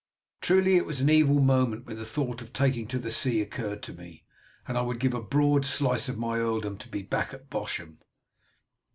Truly it was an evil moment when the thought of taking to the sea occurred to me, and I would give a broad slice of my earldom to be back at Bosham."